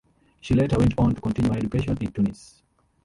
She later went on to continue her education in Tunis.